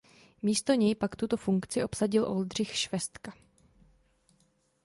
Místo něj pak tuto funkci obsadil Oldřich Švestka.